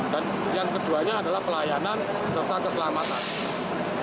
dan yang keduanya adalah pelayanan serta keselamatan